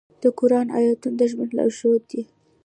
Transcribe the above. د قرآن آیاتونه د ژوند لارښود دي.